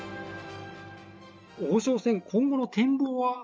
王将戦、今後の展望は？